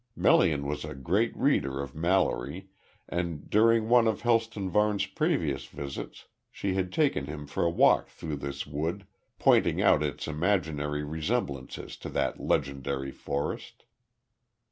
Melian was a great reader of Mallory, and during one of Helston Varne's previous visits she had taken him for a walk through this wood, pointing out its imaginary resemblances to that legendary forest.